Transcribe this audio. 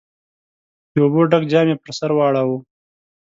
د اوبو ډک جام يې پر سر واړاوه.